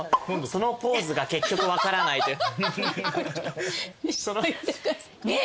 そのポーズが結局分からないという。